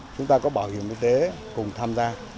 chúng ta có bảo hiểm y tế cùng tham gia